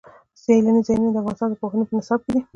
سیلاني ځایونه د افغانستان د پوهنې په نصاب کې دي.